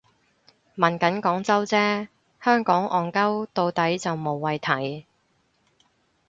問緊廣州啫，香港戇 𨳊 到底就無謂提